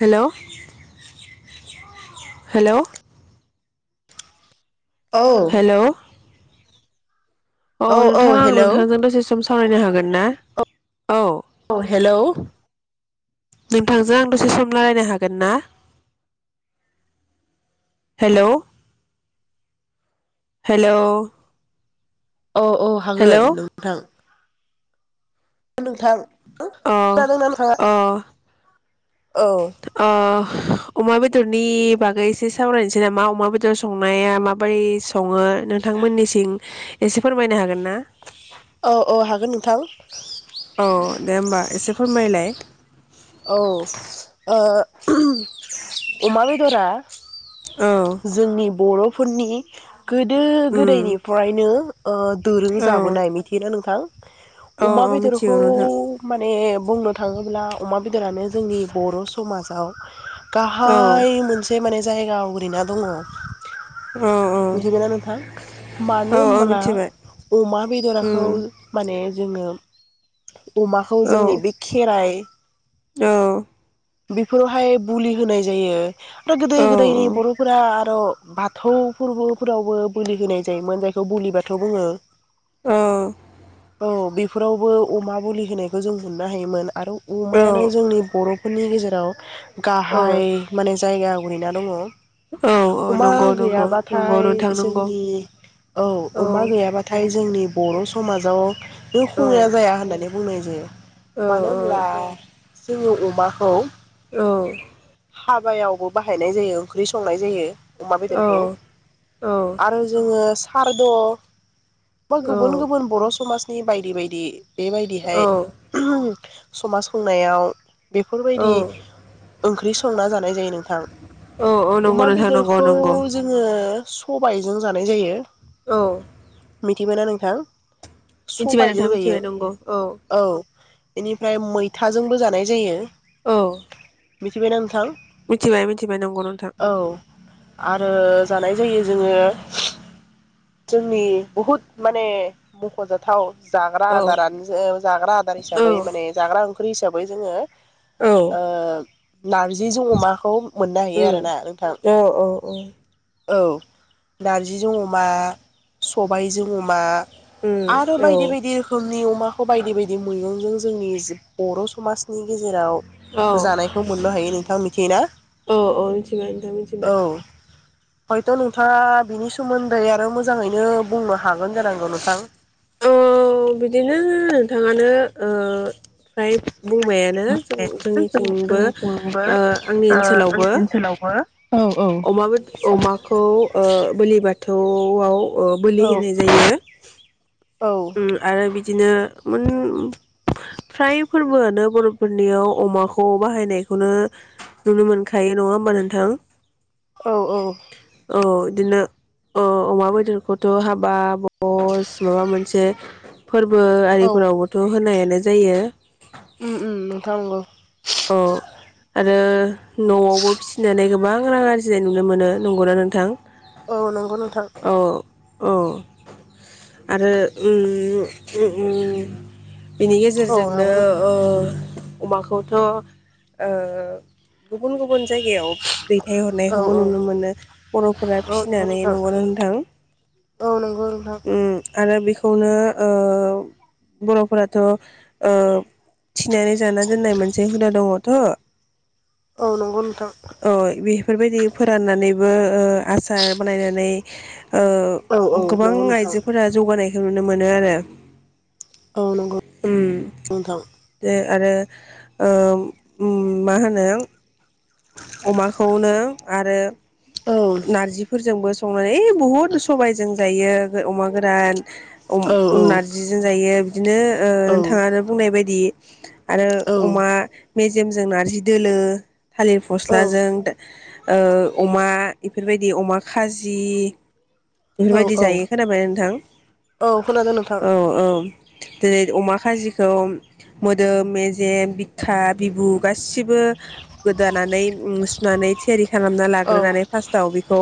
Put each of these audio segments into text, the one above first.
हेल' hello. औ hello. अ औ औ नोंथां आं हेलौ नोंथांजों दसे सम सावरायनो हागोन ना? औ औ हेल'। नोंथांजों आं दसे सम रायलायनो हागोन ना? हेल' हेल'। औ औ हागोन नोंथां। नोंथां। अ खोनादोंना नोंथाङा? अ औ अ। अमा बेदरनि बागै एसे सावरायनोसै नामा अमा बेदर संनाया माबोरै सङो नोंथांमोननिसिं एसे फोरमायनो हागोन ना? औ औ हागोन नोंथां। औ दे होमबा एसे फोरमायलाय। औ ओ अमा बेदरा औ जोंनि बर' फोरनि गोदो उम गोदायनिफ्रायनो ओ दोरों औ जाबोनाय मिथियो ना नोंथां? औ अमा औ बेदरखौ मिथिगौ नोंथां माने बुंनो थाङोब्ला अमा बेदरानो जोंनि बर' समाजाव औ गाहाय मोनसे माने जायगा आवग्रिना दङ। औ औ मिथिगोना नोंथां मानो औ औ ओमबोला मिथिबाय अमा बेदरखौ उम माने जोङो [inaudible] अमाखौ औ जोंनि बे खेराइ औ बेफोरावहाय बुलि होनाय जायो। गोदो गोदायनि बर'फोरा औ बाथौ फुर्बोफोरावबो बोलि होनाय जायोमोन जायखौ बुलि बाथौ बुङो। औ औ बेफोरावबो अमा बुलि होनायखौ जों मोननो हायोमोन आरो अमायानो जोंनि बर' फोरनि गेजेराव गाहाइ माने जायगा आवग्रिना दङ। अमा नंगौ नंगौ नंगौ गैयाबाथाय नोंथां नंगौ जोंनि औ अमा गैयाबाथाय जोंनि बर' समाजाव बे औ खङाया जाया होननानै बुंनाय औ [unintelligible] मानो होमब्ला जोङो अमा औ औ हाबायावबो बाहायनाय जायो ओंख्रि संनाय जायो। अमा औ बेदरखौ औ आरो जोङो सारद' बा नंगौ गुबुन नोंथां गुबुन बर' समाज नि बायदि बायदि। नंगौ बेबायदिहाय औ ओम समाज खुंनायाव बे औ फोरबायदि संना जानाय जायो नों थां औ नंगौ अमा नोंथां नंगौ बेदरखौ नंगौ जोङो सबाइजों जानाय जायो। औ मिथिमोना नोंथां? मिथिबाय नोंथां सबायजों जायो मिथिबाय नंगौ औ। औ बेनिफ्राय मैथाजोंबो जानाय जायो। औ मिथिबायना नोंथां? मिथिबाय मिथिबाय नंगौ नोंथां औ आरो जानाय जायो जोङो जोंनि बुहुद माने मख'जाथाव जाग्रा औ आदारानो जाग्रा आदार औ हिसाबै माने जाग्रा ओंख्रि हिसाबै बै जोङो ओ औ नारजिजों अमाखौ मोननो हायो उम आरो ना नोंथां। औ औ उम औ नारजिजों अमा सबायजों अमा। आरो औ बायदि बायदि रोखोमनि अमाखौ बायदि बायदि मैगंजों जोंनि बर' समनि गेजेर जेराव औ जानायखौ मोननो हायो नोंथां मिथियो ना औ मिथिबाय नोंथां मिथिबाय औ हयथ' नोंथाङा बिनि सोमोन्दै आरो मो मोजाङैनो बुंनो हागोन जा औ बिदिनो नोंथाङानो ओ फ्राय बुंबायानो जों जोंनिथिंबो ओ आंनि ओनसोलावबो अमा बेदर अमाखौ ओ बोलि ब थौआव बोलि औ होनाय जायो ओम आरो बिदिनो मोन फ्राय फोरबोआनो बर'फोरनियाव अमाखौ बाहायनायखौनो नुनो मोनखायो नङा होमबा नोंथां? औ औ। औ इदिनो अ अमा बेदरखौथ' हाबा भस माबा मोन से फोरबो औ आरिफोरावबोथ' होनाय नाय जायो। उम उम नोंथां नंगौ अ आरो न'आवबो फिसिनानै गोब बां रां आरजिनाय नुनो मोनो नंगौना नोंथां? औ नंगौ नोंथां औ। अ आरो ओम ओम बिनि औ गेजेरजोंनो नंगौ ओ अमाखौथ' थ' ओ गुबुन गुबुन जायगायाव औ दैथायहरनायखौबो नुनो मोनो बर'फोरा औ नंगौ फिसिनानै नोंथां नंगौना नोंथां? औ नंगौ नोंथां ओम आरो बेखो खौनो ओ बर'फोराथ' ओ थिनानै जाना दोन जे हुदा दङ थ' औ नंगौ नों अ इबे बेफोरबायदि फोराननानैबो ओ आसार बानायनानै [inaudible] ओ औ गोबां नंगौ नोंथां आइजोफोरा जौगानाय नुनो मोनो आरो। औ नंगौ ओम नोंथां दे आरो ओ ओम मा होनो अमाखौनो आरो औ नारजिफोरजोंबो स माने बहुत सबायजों जायो गो अमा गोरान। अम औ औ नारजिजों जायो। बिदिनो ओ औ नोंथाङानो बुंनाय बायदि दि आरो औ अमा मेजेमजों नारजि दोलो। थालिर औ फस्लाजों दा ओ- अमा इफोरबायदि अमा खाजि। औ बेफोरबायदि औ जायो खोनाबाय ना नोंथां? औ खोनादों नोंथां औ औ जेरै अमा खाजिखौ मोदोम मेजेम बिखा बिबु गासिबो। गोदानानै सुनानै थियारि खालामना औ लाग्रोनानै फार्स्टआव बेखौ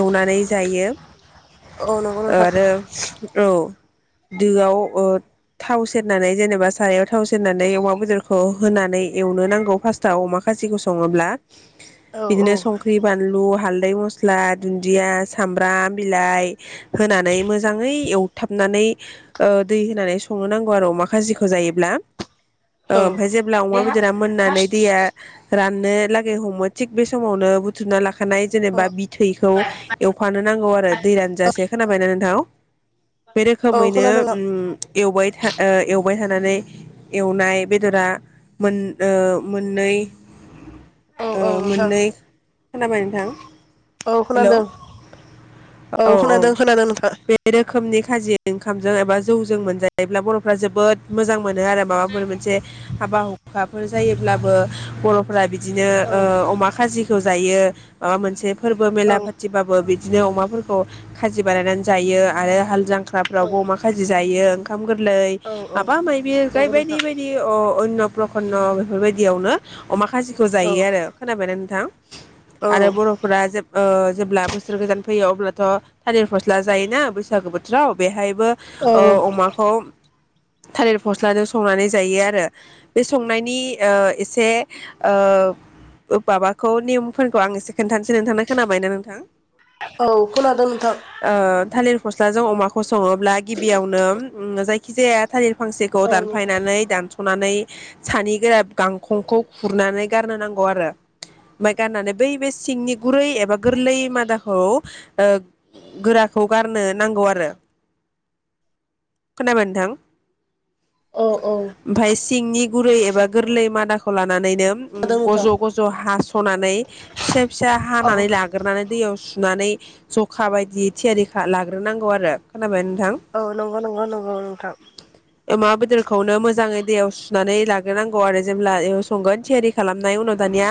एवनानै जायो औ नंगौ नोंथां आरो औ। दोआव ओ- थाव सेरनानै जेनेबा सारायाव थाव सेरनानै अमा बेदरखौ होनानै एवनो नांगौ फार्स्टआव अमा। खाजिखौ सङोब्ला। औ औ बिदिनो संख्रि बानलु हाल थारै मस्ला दुन्दिया सामब्राम बिलाइ होनानै मोजाङै एवथाबनानै ओ- दै होनानै संनो नांगौ आरो अमा खाजिखौ जायोब्ला औ ओम। ओमफाय जेब्ला अमा बेदरा मोननानै दैया राननो लागै हमो थिग बे समावनो बुथुमना लाख खानाय औ जेनेबा बिथैखौ एवफानो नांगौ आरो दै रानजासे खोनाबायना नोंथां? बे औ रोखोमैनो खोनादों उम एवबाय था ओ-एवबाय थानानै एवनाय बेदरा मोन ओ- मोननै औ औ नोंथां ओ-मोननै खोनाबाय नोंथां औ हेलौ खोनादों औ औ खोनादों खोनादों नोंथां बे रोखोमनि। खाजि ओंखामजों एबा जौजों मोनजायोब्ला बर'फ्रा जोबोद मोजां मोनो आरो माबाफोर मोनसे हाबा हुखाफोर जायोब्लाबो। बर'फोरा बिदिनो औ ओ- अमा खाजिखौ जायो माबा मोनसे फोरबो औ मेला फाथिबाबो बिद दिनो अमाफोरखौ खाजि बानायनानै जायो आरो हाल जां ख्राफ्रावबो अमा खाजि जायो। ओंखाम गोर लै औ औ माबा मायबि जाय नंगौ नोंथां बायदि बायदि अ अयन्न' प्रखन्न' बेफोरबायदियावनो। अमाख खााजिखौ औ जायो आरो खोनाबायना नोंथां? औ आरो बर'फोरा जोब ओ- जेब्ला बोसोर गोजान फैयो अब्लाथ' थालिर फस्ला जायोना बैसागो बोथोराव बेहाय। बो औ ओ अमाखौ थालिर फस्लाजों संनानै जायो आरो बे संनायनि ओ- एस से ओ माबाखौ निमफोरखौ आं एसे खोन्थानोसै नोंथांनो खोनाबायना नोंथां औ खोनादों नोंथां ओ थालिर फस्लाजों अमाखौ सङोब्ला गिबियावनो उम जायखि जाया थालिर फांसेखौ औ नोंथां दानफायनानै दानस'नानै सानि गोरा गां खंखौ खुरनानै गारनो नांगौ आरो ओमफाय गारनानै बै बे सिंनि गुरै एबा गोरलै मादाखौ ओ गोराखौ गारनो नांगौ आरो खोनाबा नोंथां औ औ ओमफाय सिंनि गुरै एबा गोरलै मादाख नानैनो उम खोनादों गज' नोंथां गज' हास'नानै फिसा फिसा औ हानानै लाग्रोनानै दैआव सु नानै जखा बायदियै थियारि खा लाग्रोनांगौ आरो खोनाबाय नोंथां? औ नंगौ नंगौ नंगौ नोंथां अमा बेदरखौनो मोजाङै दैयाव सुनानै लाग्रोनांगौ आरो जेब्ला एव संगोन थियारि खालामनाय उनाव दानिया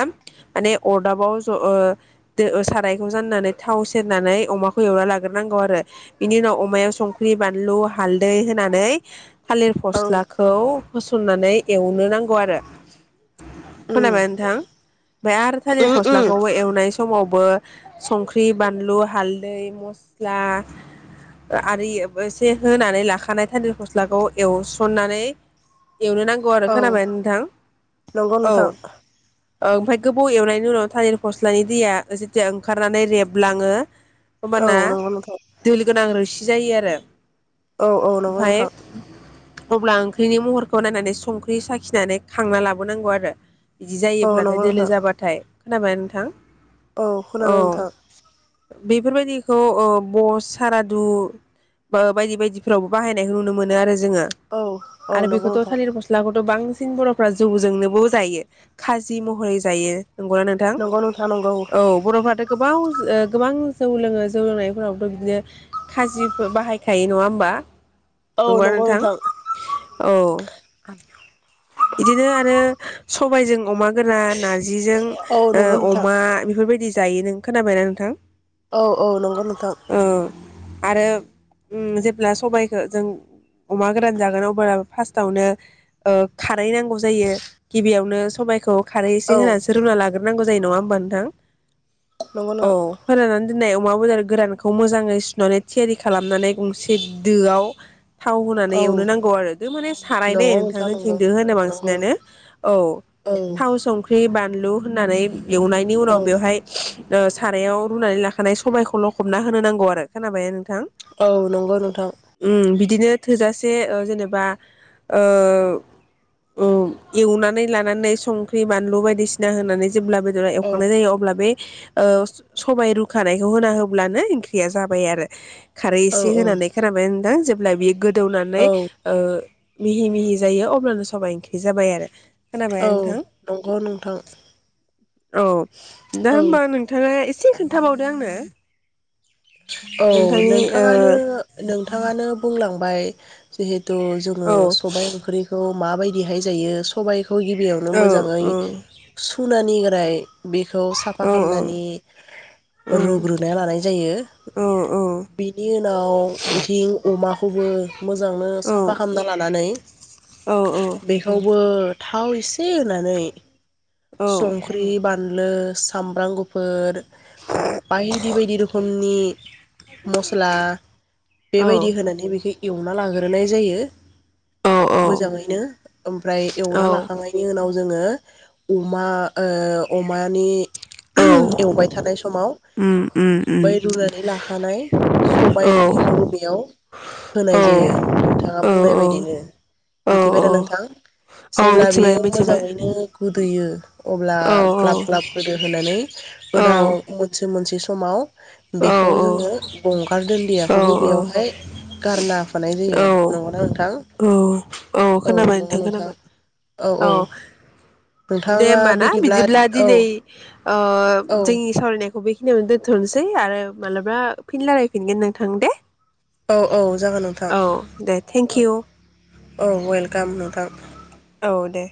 माने अरदाबाव ज'अ सारायखौ जाननानै थाव सेरनानै अमाखौ एवना लाग्रोनांगौ आरो बिनि उनाव अमायाव संख्रि बानलु हा हालदै होनानै थालिर औ फस्लाखौ नानै एवनो नांग उम खोनाबाय नोंथां ओमफ्राय आरो थालिर उम उम फस्लाखौबो एवनाय समाव बो संख्रि बानलु हालदै मस्ला आरि बो एसे होनानै लाखानाय थान्दिर गस्लाखौ एवसननानै एवनो नांगौ आरो औ खोनाबाय नोंथां नंगौ औ नोंथां ओमफ्रायाय गोबाव एवनायनि उनाव थालिर फस्लानि दैया जेथिया ओंखारनानै रेबलाङो औ होबाना नंगौ नोंथां दोल गोनां रोसि जायो आरो औ औ नंगौ ओमफाय नोंथां अब्ला ओंख्रिनि महरखौ नायनानै संख्रि साखिनानै खांना लाबोनांगौ आरो इदि औ जायोब्लाथाय नंगौ दोलो नोंथां जाबाथाय खोनाबाय नोंथां? औ खोनादों नोंथां बेफोरबायदिखौ ओ बस सारादु बा बायदि बायदिफ्रावबो बाहायनायखौ नुनो मोनो आरो जोङो औ औ आरो नंगौ बेखौथ' नोंथां थालिर मस्ला खौथ बांसिन बर'फ्रा जौजोंनोबो जायो खाजि महरै जायो नंगौना नोंथां नंगौ नोंथां नंगौ औ बर'फ्राथ' गोबाव ओ गोबां जौ लोङो जौ लोंनायफोरावथ' बिदिनो खाजिफोर बाहाय थायो नङा होमबा औ नंगौ ना नंगौ नोंथां औ बिदिनो आरो सबायाइजों अमा गोरा ना जिजों औ नंगौ ओ नोंथां अमा बेफोरबायदि। जायो नों खोनाबायना नोंथां। औ औ नंगौ नोंथां। औ आरो उम जेब्ला सबायखो जों अमा गोरान जागोन अब्ला फार्स्टआवनो ओ खारै नांगौ जायो गिबियावनो सबायखौ खारै एसे औ होनानैसो रुना लाग्रो नांगौ जायो नङा होमबा नोंथां नंगौ औ नों फोरनानै दोननायाव अमा बेदार गोरानखौ मोजाङै सुनानै थियारि खालामनानै गंसे दोआव थाव होनानै औ एवनो नांगौ आरो माने सारायल नंगौ नोंथां नंगौ नोंथांजों होनो नंगौ बांसिनानो औ औ थाव संख्रि बा बानलु होननानै एवनायनि उनाव औ बेवहाय ओ सारायाव रुनानै लाखानाय सबायखौ लखबना होनो नांगौ आरो। खोनाबायना औ नंगौ नोंथां। दिनो थोजासे ओ जेनेबा ओ ओ एवनानै लानानै संख्रि बानलु बायदिसिना होनानै जेब्ला बेदरा औ एवखांनाय जायो अब्ला बे ओ सबाय रुखानायखौ होना होब्लानो ओंख्रिया जाबाय आरो। खारै औ एसे औ होनानै खोनाबाय नोंथां? जेब्ला बेयो गो औ दौनानै ओ मिहि मिहि जायो अ ब्लानो सबाइ ओंख्रि जाबाय आरो। खोनाबाय औ नोंथां नंगौ नोंथां। औ। दा औ होमबा नोंथाङा ए से खोन्थाबावदो आंनो। औ नोंथांनि नोंथाङानो नोंथाङानो बुंलां बाय जिहे थु जोङो ओ सबाय ओंख्रिखौ माबायदिहाय जायो, सबाय खौ गिबियावनो औ औ मोजाङै सुनानै ओमफ्राय बेखौ साफा औ खालामामनानै रुग्रोना लानाय जायो। औ औ बिनि उनाव बिथिं अमाखौबो मोजांनो औ साफा खालामना लानानै औ बेखौबो थाव एसे होनानै संख्रि, [unintelligible] सामब्राम गुफुर, बायदि बायदि रोखोम [unintelligible] मस्ला बेबायदि होनानै बेखौ एवना लाांग्रोनाय जायो। औ औ मोजाङैनो ओमफ्राय औ एवना लाखांनायनि उनाव जोङो अमा ओ अमानि औ ओहोम एवबाय थानाय समाव उम उम बै उम रुना नै लाखानाय औ सबायाइ ओंख्रिखौ बेयाव औ होनाय जायो नोंथांङा बुंनाय बायदिनो औ औ मिथिबाय दा नोंथां? औ जेब्ला मिथिबाय बियो मिथिबाय मोजाङैनो गुदैयो अब्ला औ औ ग्लाब ग्लाब गोदो होनानै औ उनाव मोनसै मोनसै समाव औ बेखौ जोङो गंगार औ दोनदियाखौबो बेयावहाय औ औ खोनाबाय नोंथां खोनाबाय औ दे नोंथाङा होमबा ना बिदिब्ला औ दिनै अ औ जोंनि सावरायनाया [unintelligible] बेखिनियखवनो दोनथ'नोसै आरो मालाबा फिन रायलायफिनगोन नोंथां दे। औ औ जागोन नोंथां औ दे थेंक औ। इउ औ वेलकाम नोंथां। औ दे।